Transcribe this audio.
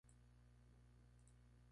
Se basa en el novio de Vera Brittain.